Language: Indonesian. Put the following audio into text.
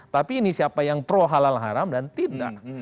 tapi ini siapa yang pro halal haram dan tidak